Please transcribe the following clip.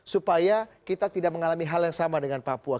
supaya kita tidak mengalami hal yang sama dengan papua